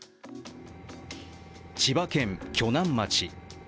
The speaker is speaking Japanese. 千葉県鋸南町。